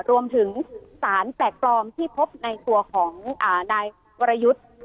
รวมถึงสารแปลกปลอมที่พบในตัวของนายวรยุทธ์